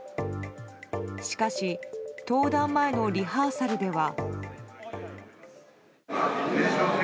しかし登壇前のリハーサルでは。